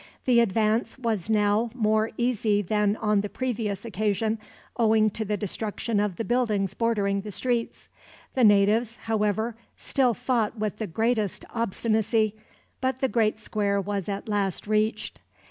The advance was now more easy than on the previous occasion, owing to the destruction of the buildings bordering the streets. The natives, however, still fought with the greatest obstinacy; but the great square was at last reached.